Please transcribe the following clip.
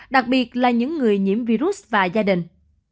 đặc biệt là những người nhiễm virus và gia đình